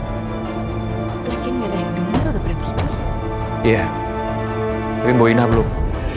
lagi gak ada yang denger udah beracu